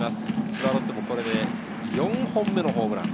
千葉ロッテも、これで４本目のホームラン。